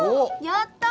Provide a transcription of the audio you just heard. やった！